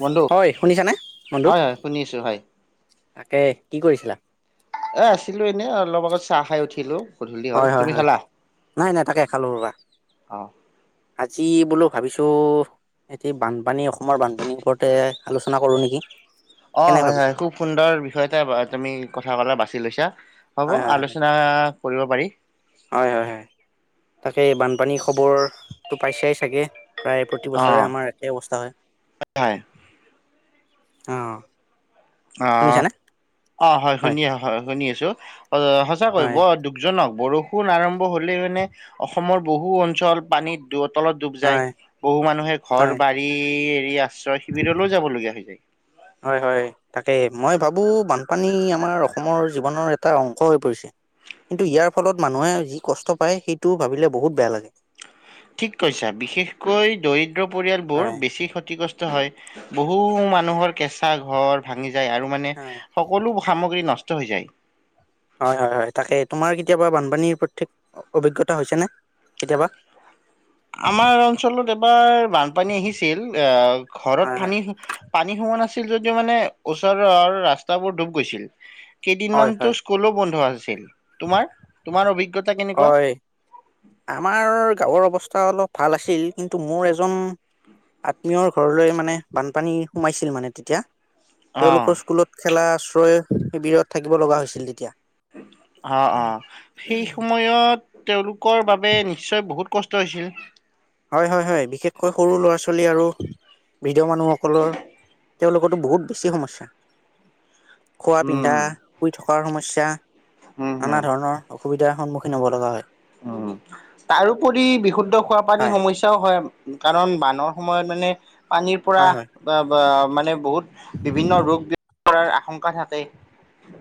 বন্ধু হয় শুনিছানে বন্ধু? হয় হয় শুনি আছো হয় তাকে কি কৰিছিলা এ আছিলো এনে অলপ আগত চাহ খাই উঠিলো গধূলি হ'ল হয় হয় তুমি হয় খালা নাই নাই তাকে খালো ৰবা অ আজি বোলো ভাবিছোঁ এটি বানপানী অসমৰ বানপানীৰ ওপৰতে আলোচনা কৰোঁ নেকি অ কেনে হয় ভাবিছো হয় খুব সুন্দৰ বিষয়তে তুমি কথা কা বাছি লৈছা হ'ব হয় হয় হয় আলোচনা কৰিব পাৰি হয় হয় হয় তাকে বানপানী খবৰটো পাই চাই চাগে প্ৰায় অ প্ৰতিবছৰে আমাৰ একেই অৱস্থা হয় হয় আহ অ অ হয় শুনি আছো হয় শুনি আছো সঁচা হয় কৰিব দুগজনক বৰষুণ আৰম্ভ হলে মানে অসমৰ বহু অঞ্চল পানীত দূৰত তলত ডুব যায় হয় বহু মানুহে ঘৰ হয় বাৰী য়া আশ্ৰয় শিবিৰলৈও যাব লগগীয়া হৈ যায় হয় হয় তাকে মই ভাবোঁ বানপানী আমাৰ অসমৰ জীৱনৰ এটা অংশ হৈ পৰিছে কিন্তু ইয়াৰ ফলত মানুহে যি কষ্ট পায় সেইটো ভাবিলে বহুত বেয়া লাগে ঠিক কৈছা বিশেষকৈ দৰিদ্ৰ পৰিয়ালবোৰ বেছি ক্ষতিগ্ৰস্ত হয় বহু মানুহৰ কেঁচা ঘৰ ভাঙি যায় আৰু মানে হয় সকলো সামগ্ৰী নষ্ট হৈ যায় হয় হয় হয় তাকে তোমাৰ কেতিয়াবা বানপানীৰ প্ৰত্যেক অভিজ্ঞতা হৈছেনে কেতিয়াবা আমাৰ অঞ্চলত এবাৰ বানপানী আহিছিল অ ঘৰত হয় হয় পানী পানী সোমোৱা নাছিল হৈছিল যদিও মানে ওচৰৰ ৰাস্তাবোৰ ডুব গৈছিল হয় কেইদিনমানতো হয় স্কুলো বন্ধ আছে ছিল তোমাৰ তোমাৰ অভিজ্ঞতা কেনেকুৱা হয় আমাৰ গাঁৱৰ অৱস্থা অলপ ভাল আছিল কিন্তু মোৰ এজন আত্মীয়ৰ ঘৰলৈ মানে বানপানী সোমাইছিল মানে তেতিয়া অ', তেওঁলোকৰ স্কুলত খেলা আশ্ৰয় শিৱিৰত থাকিব লগা হৈছিল তেতিয়া অ অ সেই সময়ত তেওঁলোকৰ বাবে নিশ্চয় বহুত কষ্ট হৈছিল হয় হয় হয়। বিশেষকৈ সৰু ল'ৰা ছোৱালী আৰু, বৃদ্ধ মানুহসকলৰ, তেওঁলোকৰটো বহুত বেছি সমস্যা। খোৱা উম, পিন্ধা, শুই থকাৰ সমস্যা, উম, তেয়া, হম। আনা ধৰণৰ অসুবিধা। সন্মুখীন হ'ব লগা হয়। উম, তাৰোপৰি বিশুদ্ধ খোৱা পানীৰ হয় সমস্যাও হয়। কাৰণ বানৰ সময়ত মানে, পানীৰ পৰা হয় হয় বা-বা মানে বহুত, বিভিন্ন ৰোগ কৰাৰ আশংক্ষা থাকে।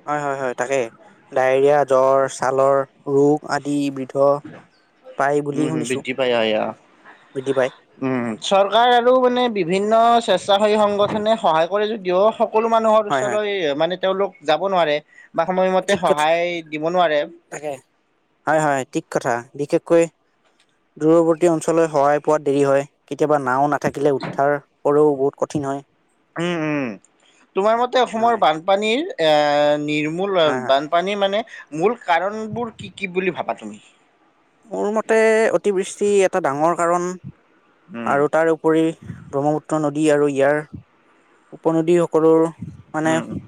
হয় হয় খালৰ ৰোগ আদি বৃদ্ধ পায় বুলি উম, শুনিছো বৃদ্ধি পায় হয় অ' বৃদ্ধি পায় উম চৰকাৰ আৰু মানে বিভিন্ন স্বেচ্ছাসেৱী সংগঠনে সহায় কৰে যদিও সক সকলো মানুহৰ হয় হয় ওচৰই মানে, তেওঁলোক যাব নোৱাৰে, বা সময়মতে ঠিক কথা সহায় দিব নোৱাৰে। তাকে হয় হয় ঠিক কথা বিশেষকৈ দূৰৱৰ্তী অঞ্চললৈ সহায় পোৱাত দেৰি হয় কেতিয়াবা নাও না থাকিলে উদ্ধাৰ কৰোঁ বহুত কঠিন হয় উম উম তোমাৰ মতে অসমৰ হয় বানপানীৰ এ নি মোৰ হয় হয় বানপানী মানে মূল কাৰণবোৰ কি কি বুলি ভাবা তুমি মোৰ মতে অতিবৃষ্টি এ এটা ডাঙৰ কাৰণ উম আৰু তাৰেপৰি ব্ৰহ্মপুত্ৰ নদী আৰু ইয়াৰ উপনদী সকলৰ মানে উম উম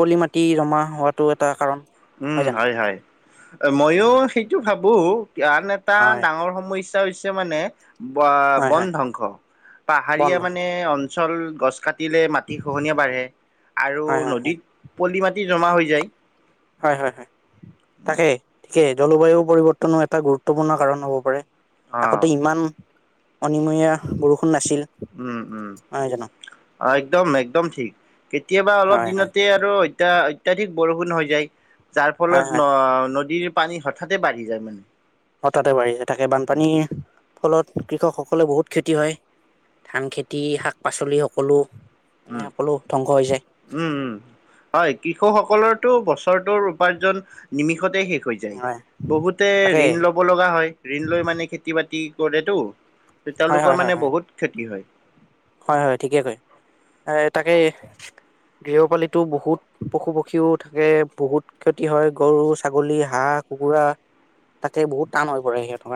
পলি মাটি জমা হোৱাটো এটা কাৰণ উম হয় হয় অ মইয়ো সেইটো ভাবো বহু কাৰণ এটা হয় ডাঙৰ সমস্যা হৈছে মানে বা হয় বন হয় ধ্বংস বন পাহাৰীয়া ধ্বংস মানে অঞ্চল গছ দিলে মাটি খোহনীয়া বাঢ়ে আৰু হয় হয় হয় নদীত পলি মাটি জমা হৈ যাই। হয় হয় হয় তাকেই সিকে জলবায়ু পৰিৱৰ্তনো এটা গুৰুত্বপূৰ্ণ কাৰণ হ'ব পাৰে, অ আগতে ইমান অনমীয়া বৰষ উম উম একদম একদম ঠিক কেতিয়াবা অলপ হয় হয় দিনতে আৰু এতিয়া অত্যাধিক বৰষুণ হৈ যায় যাৰ হয় ফলত হয় ন নদীৰ পানী হঠাতে বাঢ়ি যায় মানে হঠাতে বাঢ়িছে তাকে বানপানীৰ ফলত কৃষকসকলে বহুত ক্ষতি হয় ধান খেতি শাক পাচলি সকলো মানে উম সকলো ধ্বংস হৈ যায় উম উম হয় কৃষকসকলৰ বছৰটোৰ উপাৰ্জন নিমি তে শেষ হৈ যায় হয় বহুতে তাকে ঋণ ল'ব লগা হয় ঋণ লৈ মানে খেতি বাতি [unintelligible] হয় তেওঁলোকৰ হয় হয় মানে হয় বহুত খেতি হয়। হয় হয় ঠিকে কয় এ তাকে গৃহপালি বহুত পশু পক্ষীও থাকে। বহুত ক্ষতি হয় গৰু ছাগলী হাঁহ কুকুৰা থাকে বহুত টান হয়।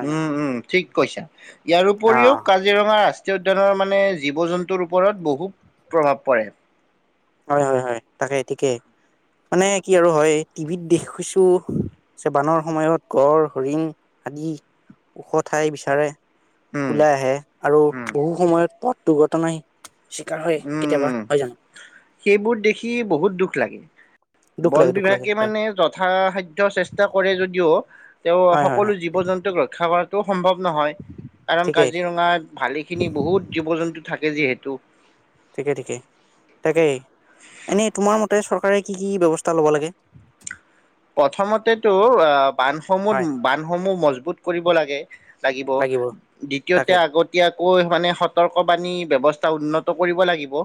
উম উম ঠিক কৈছা ইয়াৰ অ উপৰিও কাজিৰঙা ৰাষ্ট্ৰীয় উদ্যানৰ মানে জীৱ জন্তুৰ ওপৰত বহুত প্ৰভাৱ পৰে। হয় হয় হয় তাকে ঠিকেই মানে কি আৰু হয় টিভিত দেখৈছো। যে বানৰ সময়ত গড় হৰিণ আদি ওখ ঠাই বিচাৰে উম ওলাই আহে আৰু উম বহু সময়ত পথ দুৰ্ঘটনাই চিকাৰ হয় কেতিয়াবা উম হয় জানো? সেইবোৰ দেখি বহুত দুখ লাগে। দুখ লাগে বন দুখ লাগে বিভাগে হয় মানে যথাসাধ্য চেষ্টা কৰে যদিও তেওঁ হয় হয় সকলো হয় জীৱ জন্তুক ৰক্ষা কৰা সম্ভৱ নহয় কাৰণ ঠিকেই কাজিৰঙাত ভালেখিনি বহুত জীৱ জন্তু থাকে যিহেতু ঠিকে -ঠিকে তাকেই এনেই তোমাৰ মতে চৰকাৰে কি -কি ব্যৱস্থা ল'ব লাগে? প্ৰথমতেতো অহ', হয় বান্ধসমূহত -বান্ধসমূহ মজবুত কৰিব লাগে লাগিব। দ্বিতীয়তে তাকে আগতীয়াকৈ মানে সতৰ্কবাণী ব্যৱস্থা উন্নত কৰিব লাগিব।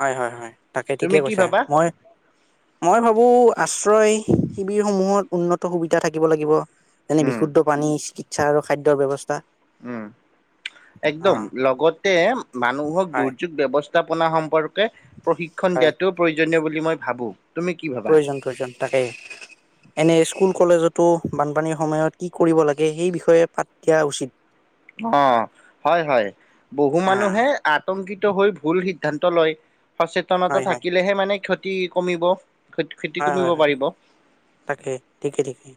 হয় - হয় - হয় তাকে ঠিকে তুমি কি কৈছা ভাবা মই- মই ভাবো আশ্ৰয়। শিবিৰ সমূহত উন্নত সুবিধা থাকিব লাগিব। যেনে উম বিশুদ্ধ পানী। ইচ্ছা আৰু খাদ্যৰ ব্যৱস্থা। উম', অ একদম লগতে মানুহক হয় দুৰ্যোগ ব্যৱস্থা উৎযাপনা সম্পৰ্ক প্ৰশিক্ষণ হয় দিয়াতটো প্ৰয়োজনীয় বুলি। বুলি মই ভাবোঁ। প্ৰয়োজন - প্ৰয়োজন তাকে এনে স্কুল কলেজত তটো বানপানীৰ সময়ত কি কৰিব লাগে সেই বিষয়ে পাঠ দিয়া উচিত। অহ', হয়- হয় বহু হা মানুহে আতংকিত হৈ ভুল সিদ্ধান্ত লয়। সচেতনতা হয় থাকিলেহে মানে ক্ষতি তি কমিব। ক্ষতি কমিব হয়-হয় পাৰিব। তাকে ঠিকে- ঠিকে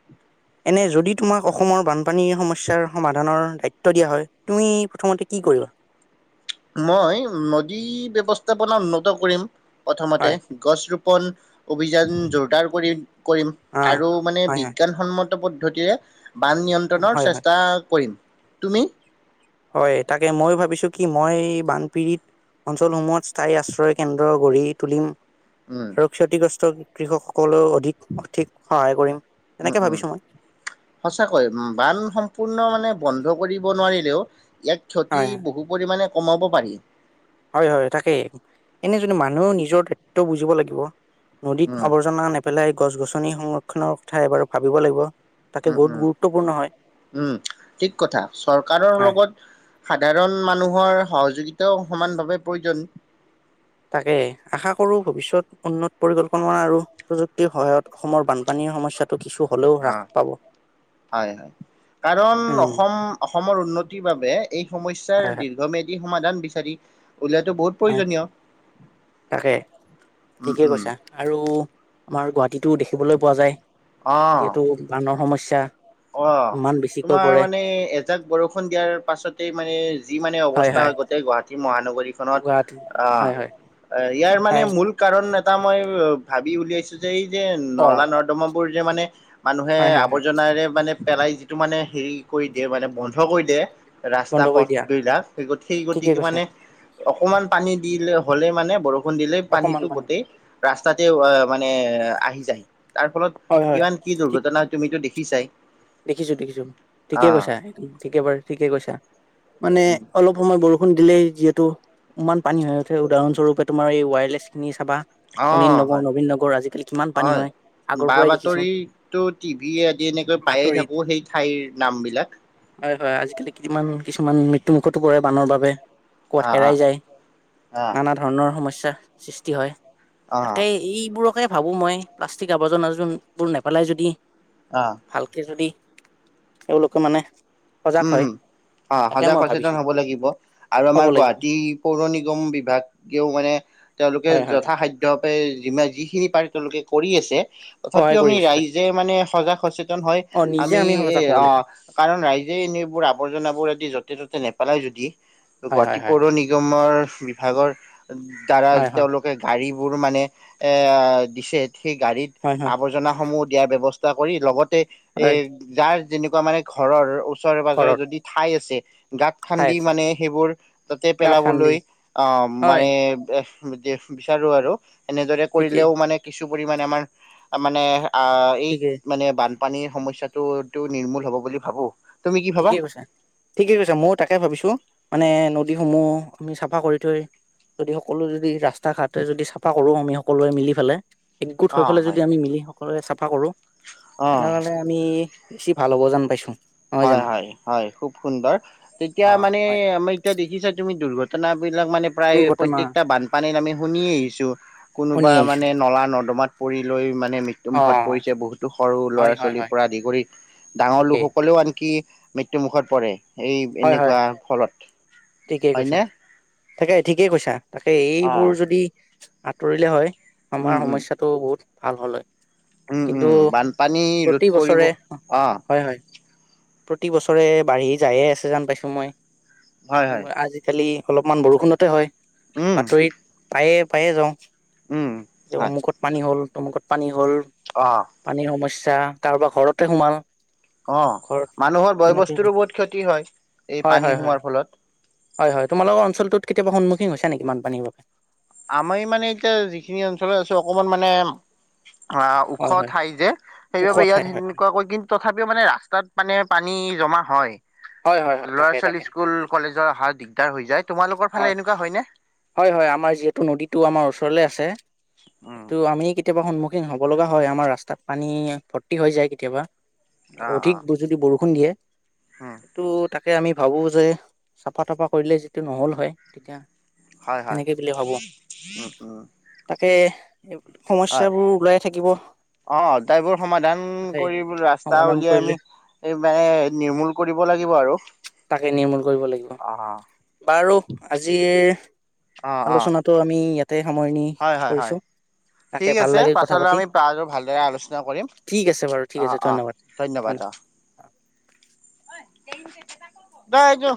এনে যদি তোমাক অসমৰ বানপানীৰ সমস্যাৰ সমাধানৰ দায়িত্ব দিয়া হয়, তুমি প্ৰথমতে কি কৰিবা? মই নদী ব্যৱস্থাপনা উন্নত কৰিম। প্ৰথমতে হয় গছ ৰুপ কল [unintelligible] অভিযান জোৰদাৰ কৰি-কৰিম অ আৰু মানে হয় বিজ্ঞানসন্মত পদ্ধতিৰে। বান হয় নিয়ন্ত্ৰণৰ হয় হয় চেষ্টা কৰিম। তুমি? হয়, তাকে ময়ো ভাবিছো কি? মই বানপীড়িত অঞ্চলসমূহত স্থায়ী আশ্ৰয় কেন্দ্ৰ গঢ়ি তুলিম। উম, আৰু ক্ষতিগ্ৰস্ত কৃষকসকলেও অধিক সঠিক সহায় কৰিম। উম', তেনেকে - উম', ভাবিছো মই সঁচাকৈ বান সম্পূৰ্ণ মানে বন্ধ কৰিব নোৱাৰি হেল্ল', ইয়াত ক্ষতি হয় হয় বহু পৰিমাণে কমাব পাৰি। হয়, হয় তাকেই এনে য মানুহে নিজৰ দায়িত্ব বুজিব লাগিব। নদীত উম, আৱৰ্জনা নেপেলাই গছ, গছনি আঁনি সংৰক্ষণৰ কথা এবাৰ ভাবিব লাগিব। তাকে উম, বহুত উম, গুৰুত্বপূৰ্ণ হয় উম, ঠিক কথা চৰকাৰৰ হয়। লগত সাধাৰণ মানুহৰ সহযোগিতাও সমানভাৱে প্ৰয়োজন। তাকে আশা কৰো ভৱিষ্যত উন্নত পৰিকল্পনা আৰু প্ৰযুক্তিৰ সহায়ত অসমৰ বানপানীৰ সমস্যাটো কিছু হ'লেও অ, হ্ৰাস পাব হয়, হয়। কাৰণ উম অসম-অসমৰ উন্নতিৰ বাবে এই সমস্যাৰ দীৰ্ঘমেধী সমাধান বিচাৰি উলিয়াটো বহুত হ প্ৰয়োজনীয় তাকে উম, ঠিকে উম, কৈছা আৰু। আমাৰ গুৱাহাটীতো দেখিবলৈ পোৱা যায়। অ, যিহেতু বানৰ সমস্যা আটা। অ, তোমাৰ মানে এজাক বৰষুণ দিয়াৰ পাছতে মানে যি মানে অৱস্থা হয়, গোটেই গুৱাহাটী মহানগৰীখনত গুৱাহাটী অ, হয় হয় ইয়াৰ মানে তাই মূল কাৰণ এটা মই ভাবি উলিয়াইছো যে এই যে অ নলা নৰ্দমাপুৰ যে মানে মানুহে হয় হয় হয় আৱৰ্জনাৰে মানে পেলাই যিটো মানে হেৰি কৰি দিয়ে মানে বন্ধ কৰি দিয়ে ৰাস্তা বন্ধ কৰি পথ দিয়া দুলাক সেই সেই ঠিকেই গতিকে কৈছা মানে অকমান পানী দিলে হলে মানে বৰণ দিলে অকমান পানীতো পানী গোটেই ৰাস্তাত অ মানে আহি যায় তাৰ ফলত হয় হয় কিমান কি ঠিক দুৰ্ঘটনা তুমিতটো দে কি চাই দেখিছো দেখিছো ঠিকে কৈছা ঠিকে বাৰ ঠিকে কৈছা মানে অলপ সময় বৰষুণ দিলে যিহেতু ইমান পানী হৈ উঠে উদাহৰণ স্বৰূপে তোমাৰ এই ৱায়াৰলেছ খিনি চাবা অ অনিল নগৰ হয় নবীন নগৰ আজিকালি কিমান পানী হয় আগৰ বা পৰাই দেখিছো বাতৰি টিভি আদি এনেকৈ পায়ে বাতৰিত থাকো সেই ঠাইৰ নাম বিলাক হয় হয় আজিকালি কিমান কিছুমান মৃত্যু মুুখতো পৰে আনৰৰ বাবে কত অ অ হেৰাই যায় নানা ধৰণৰ সমস্যা সৃষ্টি হয়। তাকে এইবোৰকে ভাবোঁ মই, প্লাষ্টিক আৱৰ্জনবোৰ নেপেলাই যদি অ'। ভালকে যদি এওঁলোকে মানে সজাগ হয় উম, অ' তাকে সজাগ মই সচেতন ভাবিছো হ'ব লাগিব আৰু হ'ব আমাৰ লাগিব গুৱাহাটী পৌৰ নিগম বিভাগেও মানে তেওঁলোকে হয় হয় হয় যথাাসাদ্য [unintelligible] যিখিনি পাৰি তেওঁলোকে কৰি আছে। সহায় তথাপিও কৰি আমি আছো তাকে ৰাইজে মানে সজাগ [unintelligible] হয়। অ নিজে আমি এ সজাগ হব অ' লাগিব কাৰণ ৰাইজ এইবোৰ আৱৰ্জননাাবোৰ আদি, য'তে ত'তে নেপালাই যদি হয় হয় গুৱাহাটী হয় পৌৰ নিগমৰ বিভাগৰ দ্বাৰা হয় হয় তেওঁলোকে গাড়ী বোৰ মানে, এ' দিছে। সেই গাড়ীত, হয় হয় আৱৰ্জনাসমূহ দিয়াৰ ব্যৱস্থা [unintelligible] কৰি লগত হয় এ' যাৰ যেনেকুৱা মানে ঘৰৰ ওচৰে পাজৰে ঘৰৰ যদি ঠাই আছে গাত খান্দি ঠাইত মানে সেইবোৰ, তাতে গাঁত খান্দি পেলাবলৈ অ' হয় মানে বিচাৰো আৰু এনেদৰে ঠিকেই কৰিলেও মানে কিছু কিছু পৰিমাণে আমাৰ মানে অঁ! এই ঠিকেই মানে বান পানীৰ সমস্যাটো নিৰ্মূল হ'ব বুলি ভাবোঁ। ঠিকে কৈছা, ঠিকে কৈছে মইয়ো তাকে ভাবিছোঁ মানে, নদী সমূহ আমি চাফা কৰি থৈ যদি সকলো যদি ৰাস্তা তাক আঁতৰাই যদিও চাফা কৰোঁ আমিও সকলোৱে মিলি পেলাই একগোট অ হৈ পেলাই যদি হয় আমি মিলি সকলোৱে চাব চফা কঁৰো। অ তেনেহ'লে আমি বেছি ভাল হ'ব জান পাইছোঁ। হয় হয় হয় খুব সুন্দৰ তেতিয়া অ মানে হয় আমাৰ এতিয়া দেখিছা তুমি দুৰ্ঘটনা [unintelligible] বিলাক মানে প্ৰায় দুৰ্ঘটনা প্ৰত্যেকটা বানপানীত আমি শুনি আহিছোঁ, শুনি কোনোবা আহিছো মানে নলা নৰ্দমাত পৰি লৈ মান অ মৃত্যুমুখত পৰিছে, বহুতো সৰু হয় ল'ৰা হয় ছোৱালীৰ হয় পৰা আদি ডাঙৰ ঠিকেই লোকসকল কি মৃত্যু মুখত পৰে। এই হয় হয় এনেকুৱা ফলত। ঠিকেই কৈছা, হয়নে তাকে ঠিকেই কৈছা, তাকে অ এইবোৰ যদি আঁতৰিলে হয় উম আমাৰ উম সমস্যয়াাতটো বহুত ভাল হ'লে বানপানী ৰোধ কৰিব, বছৰে অঁ। হয় হয় প্ৰতি বছৰে বাঢ়ি যায়ে আছে যেন পাইছোঁ মই। হয় কি হয় আজিকালি অলপমান বৰষুণতে হয়। উম বাতৰিত পায়ে, পায়ে যাওঁ। উম যে হয় অমুকত পানী হ'ল। অমুকত পানী। ঢল অ পানীৰ সমস্যা। পছা, কাৰোবাৰ ঘৰতে সোমাল। অঁ ঘৰত মানুহৰ বয় তেনেকে বস্তুৰোঁ বহুত ক্ষতি হয়, এই হয় পানী হয় হয় হয় সোমোৱাৰ ফলত। হয় হয় তোমালোকৰ অঞ্চলটোত কেতিয়াবা সন্মুখীন হৈছে নেকি বানপানীৰ? আমাৰ মানে এতিয়া যিখিনি অঞ্চলত আছোঁ, অকমান মানে অ' ওখ হয় হয় ঠাই যে, ওখ সেইবাবে ইয়াত ঠাই হয় হয় সেনেকুৱাকৈ কিন্তু তথাপিও মানে ৰাস্তাত মানে পানী জমা হয়। হয় হয় ল'ৰা তাকে ছোৱালী তাকে স্কুল কলেজৰ অহা দিগদাৰ হৈ যায়, তোমালোকৰ ফালে এনেকুৱা হয়নে? টো নদীতো আমাৰ ওচৰলে আছে, উম সেইটো টো আমি কেতিয়াবা সন্মু খিন হ'ব লগিয়া হয়, আমাৰ ৰাস্তাত পানী ভৰ্তি হৈ যায় কেতিয়াবা। অঁ অধিক অঁ যদি বৰষুণ দিয়ে। উম এই তাক তাকে আমি ভাবোঁ যে চাফা তাফা কৰিলে যিটো নহ'ল হয় তেতিয়া হয় হয় সেনেকে উ উম পে হয় অদায়বোৰ সমাধান তাকে কৰি ৰাস্তা সমাধান উলিয়াই কৰিলে আমি এই মানে নিৰ্মূল কৰিব লাগে তাকে নিৰ্মূল কৰিব লাগিব অ পাৰ আজিৰ অ অ আলোচনাাটো আমি ইয়াত হয় হয় হয় তাকে ঠিক ভাল আছে লাগিল কথা পাছলৈ পাতি আমি প ভালদৰে আলোচনা কৰিম ঠিক আছে বাৰু ঠিক অঁ আছে অঁ ধন্যবাদ ধন্যবাদ অঁ দ য [unintelligible]